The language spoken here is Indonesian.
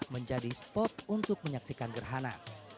menjadi spot untuk menyaksikan gerhana